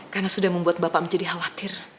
karena sudah membuat bapak menjadi khawatir